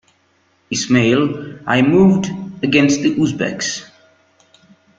Ismail I moved against the Uzbeks.